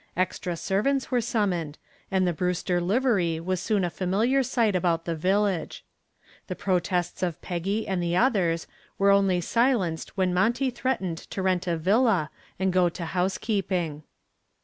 Extra servants were summoned, and the Brewster livery was soon a familiar sight about the village. The protests of Peggy and the others were only silenced when Monty threatened to rent a villa and go to housekeeping.